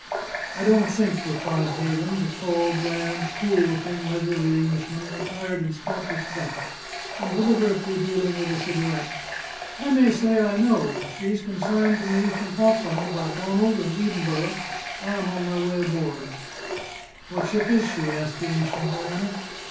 "I don't think," replied Havens, a tall, bland, cool looking, leisurely Englishman, attired in spotless duck, and deliberately dealing with a cigarette. "I may say I know. She's consigned to me from Auckland by Donald & Edenborough. I am on my way aboard." "What ship is she?" asked the ancient mariner.